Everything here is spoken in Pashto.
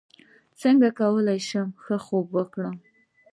څنګه کولی شم ښه خوب وکړم